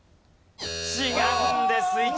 違うんです。